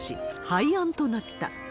廃案となった。